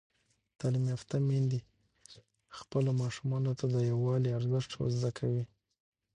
تعلیم یافته میندې خپلو ماشومانو ته د یووالي ارزښت ور زده کوي.